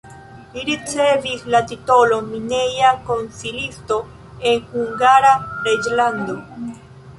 Li ricevis la titolon mineja konsilisto en Hungara reĝlando.